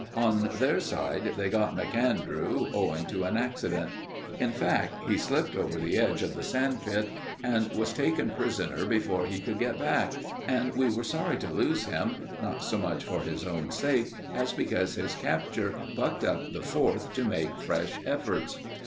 On their side they got MacAndrew, owing to an accident. In fact, he slipped over the edge of the sand pit, and was taken prisoner before he could get back, and we were sorry to lose him, not so much for his own sake, as because his capture bucked up the Fourth to make fresh efforts.